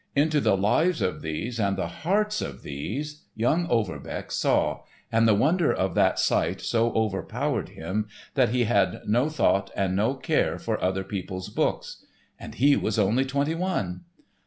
Into the lives of these and the hearts of these young Overbeck saw, and the wonder of that sight so overpowered him that he had no thought and no care for other people's books. And he was only twenty one!